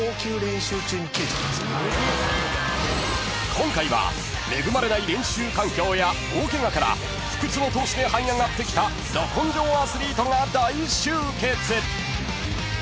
［今回は恵まれない練習環境や大ケガから不屈の闘志ではい上がってきたど根性アスリートが大集結］